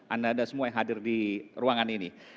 anda semua yang ada di ruangan ini